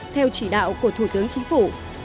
theo chỉ đạo của thủ tướng chính phủ